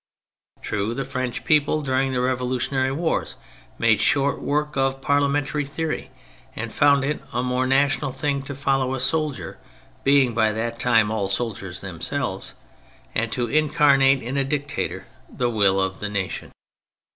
True, the French people during the revolu tionary wars made short work of parliamentary theory, and found it a more national thing to follow a soldier (being by that time all soldiers themselves), and to incarnate in a dictator the will of the nation.